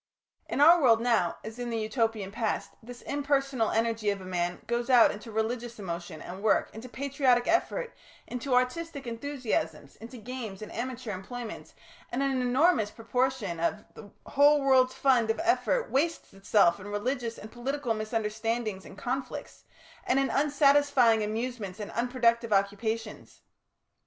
In our world now, as in the Utopian past, this impersonal energy of a man goes out into religious emotion and work, into patriotic effort, into artistic enthusiasms, into games and amateur employments, and an enormous proportion of the whole world's fund of effort wastes itself in religious and political misunderstandings and conflicts, and in unsatisfying amusements and unproductive occupations.